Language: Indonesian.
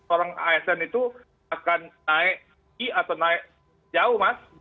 orang asn itu akan naik jauh mas